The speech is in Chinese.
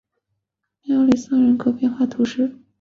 穆利桑人口变化图示